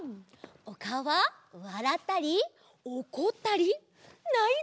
おかおはわらったりおこったりないたり！